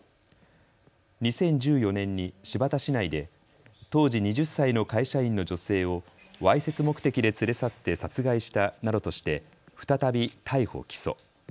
２０１４年に新発田市内で当時２０歳の会社員の女性をわいせつ目的で連れ去って殺害したなどとして再び逮捕・起訴。